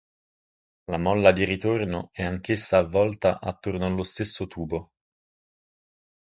La molla di ritorno è anch'essa avvolta attorno allo stesso tubo.